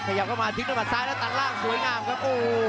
ขยับเข้ามาทิ้งต้นพัดซ้ายและตันล่างสวยง่ายครับ